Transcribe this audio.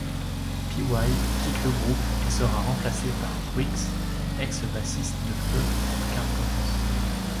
Pee-Why quitte le groupe et sera remplacé par Bruixe, ex-bassiste de feu Kargol's.